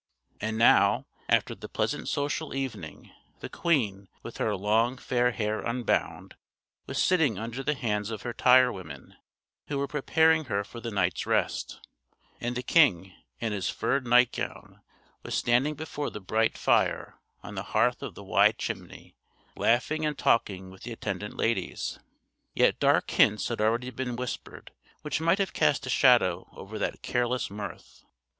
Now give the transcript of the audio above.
And now, after the pleasant social evening, the queen, with her long fair hair unbound, was sitting under the hands of her tirewomen, who were preparing her for the night's rest; and the king, in his furred nightgown, was standing before the bright fire on the hearth of the wide chimney, laughing and talking with the attendant ladies. Yet dark hints had already been whispered, which might have cast a shadow over that careless mirth.